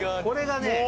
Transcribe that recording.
これがね